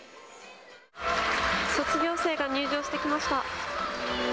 卒業生が入場してきました。